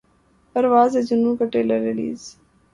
پرواز ہے جنون کا ٹریلر ریلیز